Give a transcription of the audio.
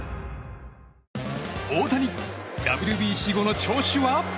大谷、ＷＢＣ後の調子は？